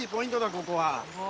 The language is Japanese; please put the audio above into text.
ここは。